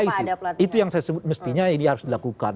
itu yang saya sebut mestinya ini harus dilakukan